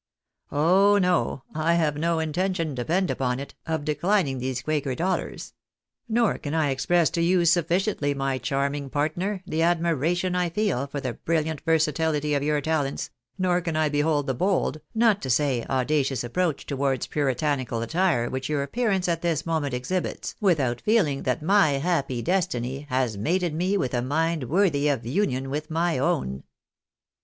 Oh no, I have no intention, depend upon it, of declining these quaker dollars ; nor can I ex press to you sufficiently, my charming partner, the admiration I feel for the brilliant versatiUty of your talents, nor can I behold the bold, not to say audacious approach towards puritanical attire which your appearance at this moment exhibits, without feeling that my happy destiny has mated me with a mind worthy of union with my own."